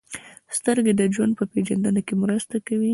• سترګې د ژوند په پېژندنه کې مرسته کوي.